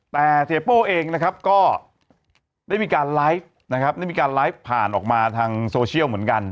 แต่เสียโป้เองนะครับก็ได้มีการไลฟ์นะครับได้มีการไลฟ์ผ่านออกมาทางโซเชียลเหมือนกัน